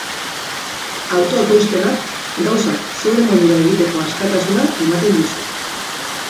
Autoekoizpenak gauzak zeure modura egiteko askatasuna ematen dizu.